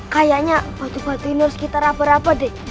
kayaknya batu batu ini harus kita rapat rapat deh